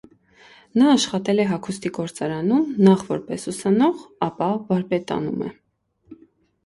Նա աշխատել է հագուստի գործարանում, նախ որպես ուսանող, ապա վարպետանում է։